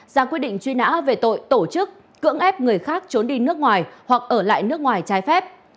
ra quyết định truy nã về tội tổ chức cưỡng ép người khác trốn đi nước ngoài hoặc ở lại nước ngoài trái phép